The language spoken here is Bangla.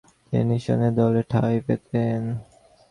তিনি নিঃসন্দেহে দলে ঠাঁই পেতেন।